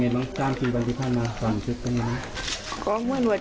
รู้จะอยู่อย่างไร